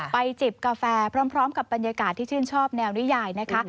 จิบกาแฟพร้อมกับบรรยากาศที่ชื่นชอบแนวนิยายนะคะ